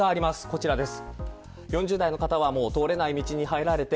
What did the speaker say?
こちらです。